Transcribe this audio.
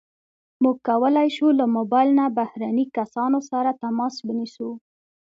موږ کولی شو له موبایل نه بهرني کسان سره تماس ونیسو.